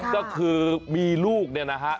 ก็คือมีลูกเนี่ยนะฮะ